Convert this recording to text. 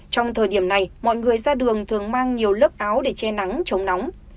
trong thời điểm này mọi người ra đường thường mang nhiều lớp áo để che nắng chống nóng